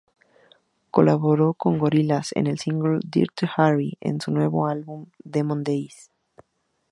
Colaboró con Gorillaz en el single ""Dirty Harry"" de su álbum Demon Days.